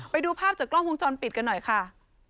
ไปดูภาพจากกล้องวงจรปิดกันหน่อยค่ะ